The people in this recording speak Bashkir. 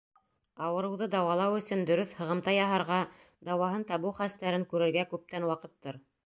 Ауырыуҙы дауалау өсөн дөрөҫ һығымта яһарға, дауаһын табыу хәстәрен күрергә күптән ваҡыттыр.